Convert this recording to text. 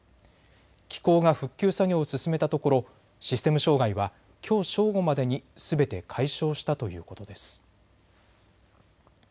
機構が復旧作業を進めたところシステム障害はきょう正午までにすべて解消したということです。